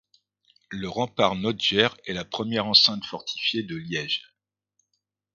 Le rempart Notger est la première enceinte fortifiée de Liège.